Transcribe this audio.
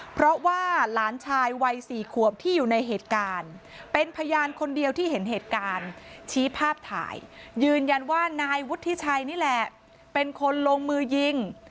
เพราะว่าหลานชายวัย๔ขวบที่อยู่ในเหตุการณ์เป็นพยานคนเดียวที่เห็นเหตุการณ์ชี้ภาพถ่ายยืนยันว่านายวุฒิชัยนี่แหละเป็นคนลงมือยิง